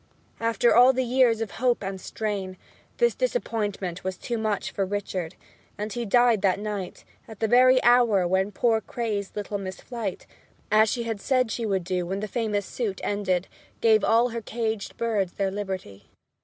After all the years of hope and strain, this disappointment was too much for Richard, and he died that night, at the very hour when poor crazed little Miss Flite (as she had said she would do when the famous suit ended) gave all her caged birds their liberty.